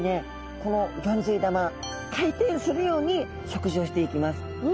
このギョンズイ玉回転するように食事をしていきます。